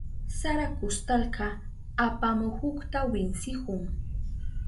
Sara kustalka apamuhukta winsihun.